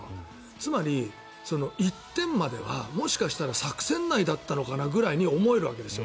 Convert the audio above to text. つまり、１点まではもしかしたら作戦内だったのかなぐらいに思えるわけですよ。